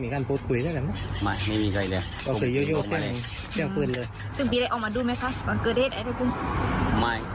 มีการพูดคุยได้ไหมไม่ไม่มีใครเลยออกมาเลยเสียงเสียงปืนเลย